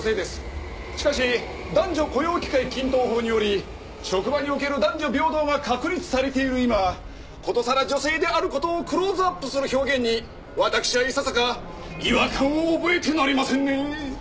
しかし男女雇用機会均等法により職場における男女平等が確立されている今ことさら女性である事をクローズアップする表現に私はいささか違和感を覚えてなりませんね。